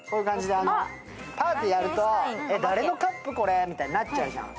パーティーをやると、誰のカップ？みたいになっちゃうじゃん。